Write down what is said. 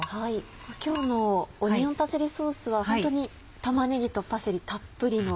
今日のオニオンパセリソースはホントに玉ねぎとパセリたっぷりの。